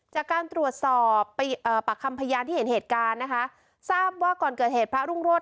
จากการตรวจสอบปากคำพยานที่เห็นเหตุการณ์นะคะทราบว่าก่อนเกิดเหตุพระรุ่งโรธ